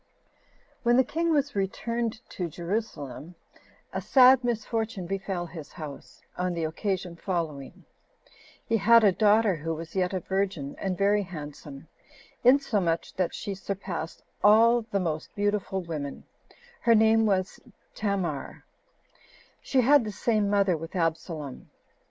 1. When the king was returned to Jerusalem, a sad misfortune befell his house, on the occasion following: He had a daughter, who was yet a virgin, and very handsome, insomuch that she surpassed all the most beautiful women; her name was Tamar; she had the same mother with Absalom.